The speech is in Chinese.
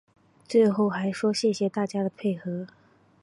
最后还说谢谢大家的配合